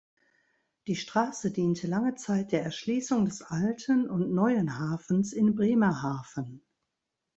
Die Straße diente lange Zeit der Erschließung des Alten und Neuen Hafens in Bremerhaven.